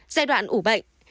giai đoạn ủ bệnh